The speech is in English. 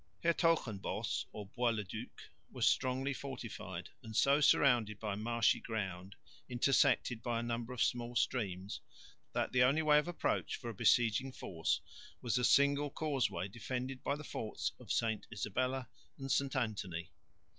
Hertogenbosch, or Bois le duc, was strongly fortified, and so surrounded by marshy ground, intersected by a number of small streams, that the only way of approach for a besieging force was a single causeway defended by the forts of St Isabella and St Anthony.